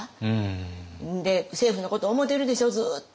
政府のこと思うてるでしょうずっと。